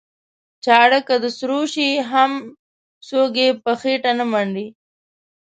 چاړه که د سرو شي هم څوک یې په خېټه نه منډي.